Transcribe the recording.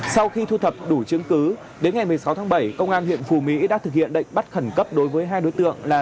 sau khi thu thập đủ chứng cứ đến ngày một mươi sáu tháng bảy công an huyện phù mỹ đã thực hiện lệnh bắt khẩn cấp đối với hai đối tượng là